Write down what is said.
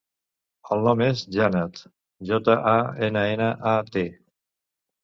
El nom és Jannat: jota, a, ena, ena, a, te.